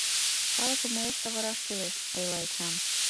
Калыкым уэш савыраш кӱлеш, — ойла Эчан.